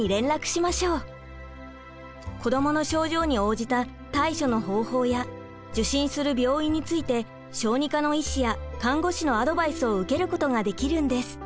子どもの症状に応じた対処の方法や受診する病院について小児科の医師や看護師のアドバイスを受けることができるんです。